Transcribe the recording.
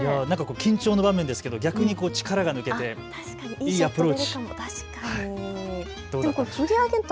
緊張の場面ですけど逆に力が抜けていいアプローチ。